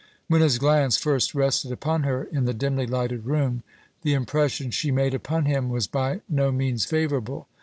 When his glance first rested upon her in the dimly lighted room, the impression she made upon him was by no means favourable.